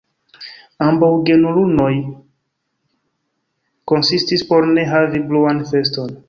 Ambaŭ gejunuloj konsentis por ne havi bruan feston.